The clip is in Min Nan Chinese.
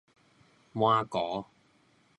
麻糊